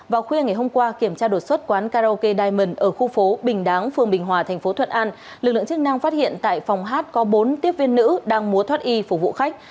vào khuya ngày hôm qua kiểm tra đột xuất quán karaoke diamond ở khu phố bình đáng phường bình hòa thành phố thuận an lực lượng chức năng phát hiện tại phòng hát có bốn tiếp viên nữ đang mua thoát y phục vụ khách